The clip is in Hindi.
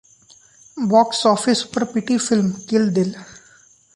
बॉक्स ऑफिस पर पिटी फिल्म 'किल दिल'